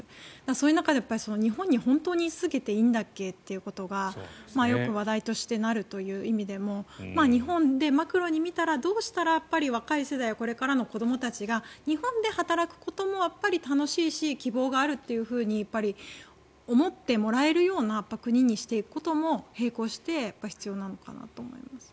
そういう中で日本に本当に居続けていいんだっけ？ということがよく話題としてなるという意味でも日本でマクロに見たらどうしたら若い世代これからの子どもたちが日本で働くことも楽しいし希望があると思ってもらえるような国にしていくことも並行して必要なのかなと思います。